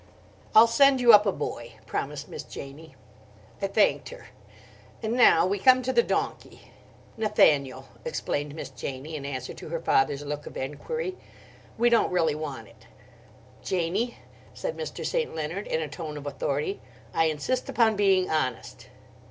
"I'll send you up a boy," promised Miss Janie. I thanked her. "And now we come to the donkey." "Nathaniel," explained Miss Janie, in answer to her father's look of enquiry. "We don't really want it." "Janie," said Mr. St. Leonard in a tone of authority, "I insist upon being honest."